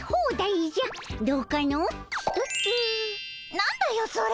何だよそれ。